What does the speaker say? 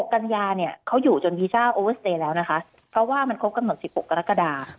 กัญญาเนี่ยเขาอยู่จนวีซ่าโอเวสเตย์แล้วนะคะเพราะว่ามันครบกำหนด๑๖กรกฎา